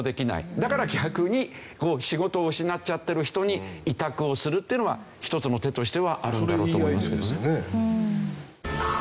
だから逆に仕事を失っちゃってる人に委託をするっていうのは一つの手としてはあるんだろうと思いますけどね。